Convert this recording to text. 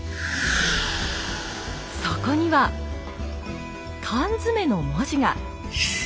そこには缶詰の文字が！